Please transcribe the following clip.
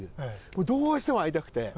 もうどうしても会いたくて。